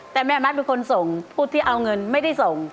แต่แม่มัดเป็นคนส่งผู้ที่เอาเงินไม่ได้ส่ง